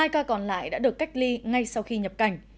hai ca còn lại đã được cách ly ngay sau khi nhập cảnh